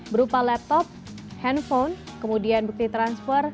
berupa laptop handphone kemudian bukti transfer